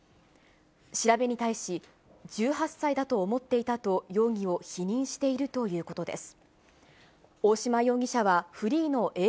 調べに対し、１８歳だと思っていたと容疑を否認しているということです。